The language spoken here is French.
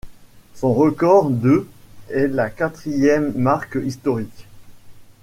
Son record de est la quatrième marque historique.